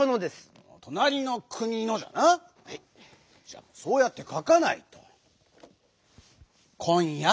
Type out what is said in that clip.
じゃあそうやってかかないと！